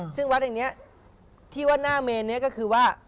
ซึ่งวัดแห่งนี้ที่ว่าหน้าเมนนี้ก็คือว่า